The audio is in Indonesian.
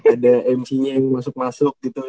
ada mc nya yang masuk masuk gitu kan